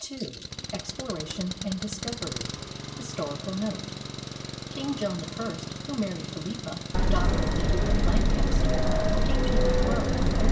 II EXPLORATION AND DISCOVERY HISTORICAL NOTE King John I, who married Philippa, daughter of the Duke of Lancaster, came to the throne in 1385.